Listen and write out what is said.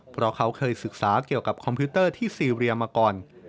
เพราะเขาเคยศึกษาเกี่ยวกับคอมพิวเตอร์ที่ซีเรียมาก่อน